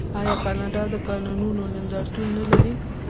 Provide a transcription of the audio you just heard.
آیا کاناډا د کانونو نندارتون نلري؟